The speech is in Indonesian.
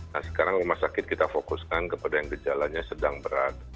nah sekarang rumah sakit kita fokuskan kepada yang gejalanya sedang berat